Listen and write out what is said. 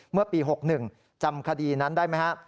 เมื่อปี๖๑จำคดีนั้นได้ไหมฮะ